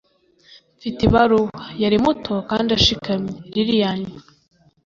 mfite ibaruwa. yari muto kandi ashikamye. lillian